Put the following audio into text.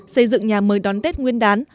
xây dựng nhà mới đón tết nguyên đán